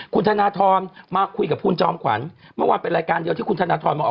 คุณธนทรมาคุยกับคุณจอมขวัญเมื่อวานเป็นรายการเดียวที่คุณธนทรมาออก